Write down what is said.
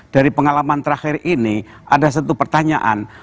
dari pengalaman terakhir ini ada satu pertanyaan